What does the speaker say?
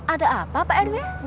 ada apa pak rw